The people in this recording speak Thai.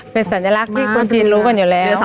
เป็นสัญลักษณ์ที่คนจีนรู้กันอยู่แล้ว